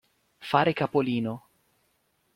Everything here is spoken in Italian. Fare capolino.